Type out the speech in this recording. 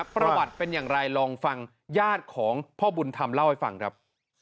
ประวัติเป็นอย่างไรลองฟังญาติของพ่อบุญธรรมเล่าให้ฟังครับ